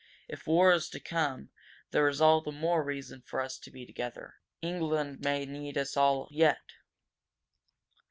"If war is to come, there is all the more reason for us to be together. England may need all of us yet."